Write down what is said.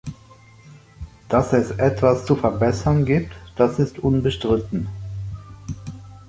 Dass es etwas zu verbessern gibt, das ist unbestritten.